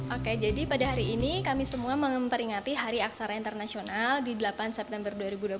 oke jadi pada hari ini kami semua memperingati hari aksara internasional di delapan september dua ribu dua puluh satu